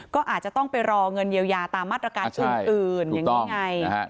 ก็อาจจะต้องไปรอเงินเยียวยาตามมาตรการอื่นอย่างนี้ไง